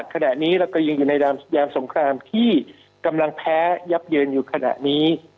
ขณะนี้เราก็ยังอยู่ในยามสงครามที่กำลังแพ้ยับเยินอยู่ขณะนี้